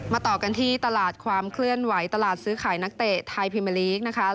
ต่อกันที่ตลาดความเคลื่อนไหวตลาดซื้อขายนักเตะไทยพิมเมอร์ลีกนะคะ